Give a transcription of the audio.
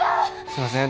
すいません。